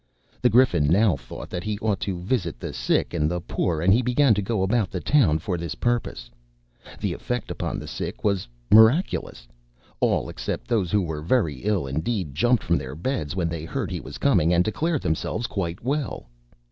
The Griffin now thought that he ought to visit the sick and the poor; and he began to go about the town for this purpose. The effect upon the sick was miraculous. All, except those who were very ill indeed, jumped from their beds when they heard he was coming, and declared themselves quite well.